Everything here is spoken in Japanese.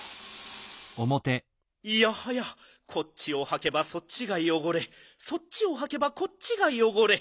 いやはやこっちをはけばそっちがよごれそっちをはけばこっちがよごれ。